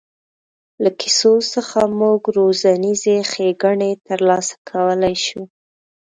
له کیسو څخه موږ روزنیزې ښېګڼې تر لاسه کولای شو.